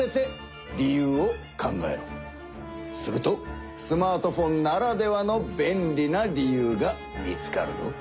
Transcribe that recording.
するとスマートフォンならではの便利な理由が見つかるぞ。